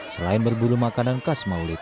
selain berburu makanan khas maulid